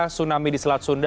tsunami di selat sunda